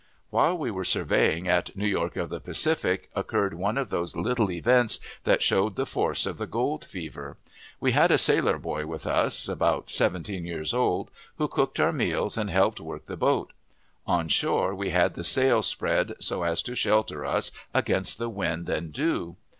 While we were surveying at "New York of the Pacific," occurred one of those little events that showed the force of the gold fever. We had a sailor boy with us, about seventeen years old, who cooked our meals and helped work the boat. Onshore, we had the sail spread so as to shelter us against the wind and dew.